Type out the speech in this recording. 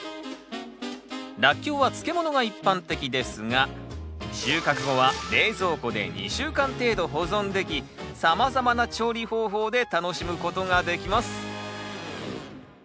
ラッキョウは漬物が一般的ですが収穫後は冷蔵庫で２週間程度保存できさまざまな調理方法で楽しむことができます